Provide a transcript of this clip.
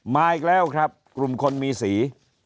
มาอีกแล้วครับกลุ่มคนมีสี